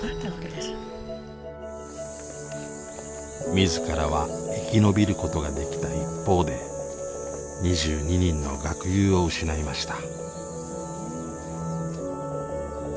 自らは生き延びることができた一方で２２人の学友を失いました。